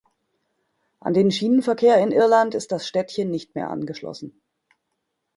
An den Schienenverkehr in Irland ist das Städtchen nicht mehr angeschlossen.